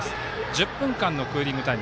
１０分間のクーリングタイム。